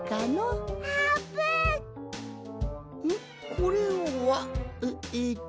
これは？ええっと？